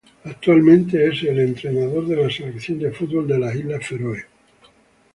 Actualmente es el entrenador de la selección de fútbol de las Islas Feroe.